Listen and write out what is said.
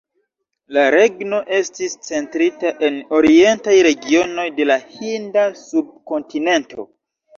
La regno estis centrita en orientaj regionoj de la Hinda Subkontinento.